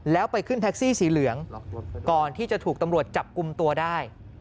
แล้วไปขึ้นแท็กซี่สีเหลืองก่อนที่จะถูกตำรวจจับกลุ่มตัวได้